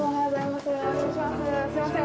すみません